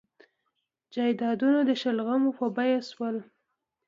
جایدادونه د شلغمو په بیه شول.